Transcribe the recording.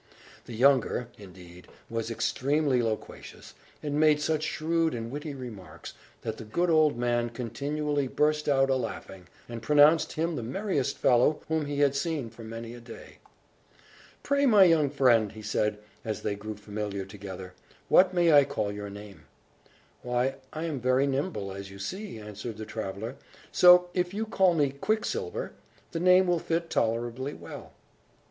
The younger, indeed, was extremely loquacious, and made such shrewd and witty remarks, that the good old man continually burst out a laughing, and pronounced him the merriest fellow whom he had seen for many a day. "Pray, my young friend," said he, as they grew familiar together, "what may I call your name?" "Why, I am very nimble, as you see," answered the traveller. "So, if you call me Quicksilver, the name will fit tolerably well."